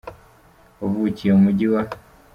wavukiye mu Mujyi wa.